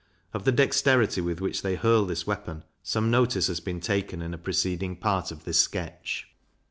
Of the dexterity with which they hurl this weapon, some notice has been taken in a preceding part of this sketch.